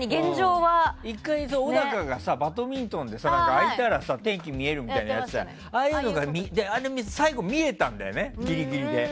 １回、小高がバドミントンで開いたら天気見えるみたいなのやってたけどあれが最後見えたんだよね、ギリギリで。